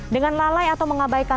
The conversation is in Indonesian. dengan lalai atau mengabaikan